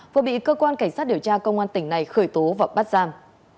vừa bị cơ quan cảnh sát điều tra công an tỉnh này khởi tố và bắt giam